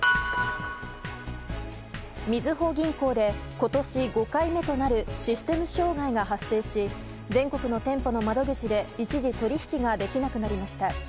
みずほ銀行で今年５回目となるシステム障害が発生し全国の店舗の窓口で一時取引ができなくなりました。